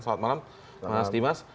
selamat malam mas dimas